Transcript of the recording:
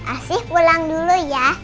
asyik pulang dulu ya